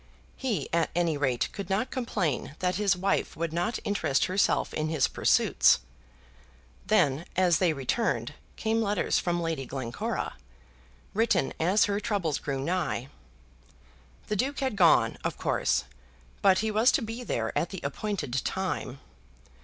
He at any rate could not complain that his wife would not interest herself in his pursuits. Then, as they returned, came letters from Lady Glencora, written as her troubles grew nigh. The Duke had gone, of course; but he was to be there at the appointed time.